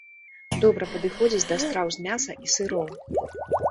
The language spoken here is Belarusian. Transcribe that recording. Добра падыходзіць да страў з мяса і сыроў.